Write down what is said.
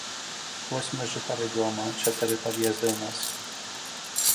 Вось мы жыхары дома, чатыры пад'езды ў нас.